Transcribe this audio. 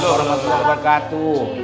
salamualaikum warahmatullahi wabarakatuh